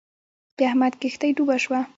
د احمد کښتی ډوبه شوه.